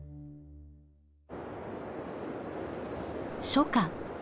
初夏。